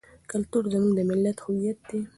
کلتور زموږ د ملت هویت دی.